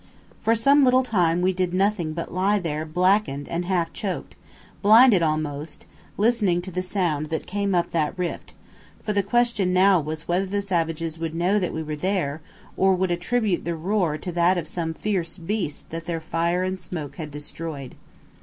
For some little time we did nothing but lie there blackened and half choked, blinded almost, listening to the sound that came up that rift, for the question now was whether the savages would know that we were there, or would attribute the roar to that of some fierce beast that their fire and smoke had destroyed.